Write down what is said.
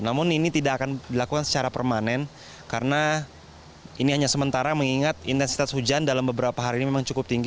namun ini tidak akan dilakukan secara permanen karena ini hanya sementara mengingat intensitas hujan dalam beberapa hari ini memang cukup tinggi